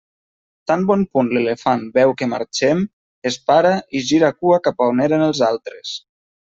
Tan bon punt l'elefant veu que marxem, es para i gira cua cap a on eren els altres.